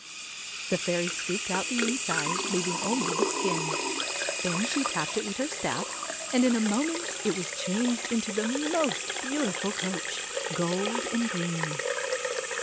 The fairy scooped out the inside, leaving only the skin. Then she tapped it with her staff, and in a moment it was changed into the most beautiful coach, gold and green.